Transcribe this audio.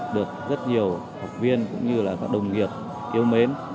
được rất nhiều học viên cũng như là các đồng nghiệp yêu mến